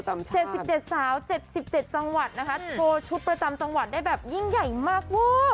๗๗สาว๗๗จังหวัดนะคะโชว์ชุดประจำจังหวัดได้แบบยิ่งใหญ่มากเวอร์